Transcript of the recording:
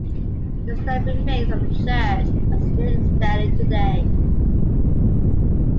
The extant remains of the church are still standing today.